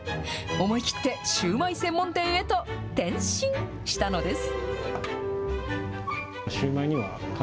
思い切って、シューマイ専門店へと転身したのです。